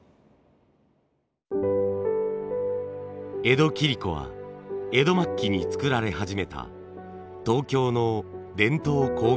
江戸切子は江戸末期に作られ始めた東京の伝統工芸品です。